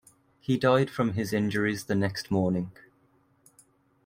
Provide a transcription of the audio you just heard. He died from his injuries the next morning.